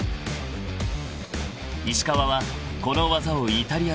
［石川はこの技をイタリアで習得］